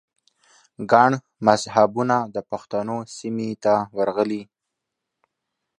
ګڼ مذهبونه د پښتنو سیمې ته ورغلي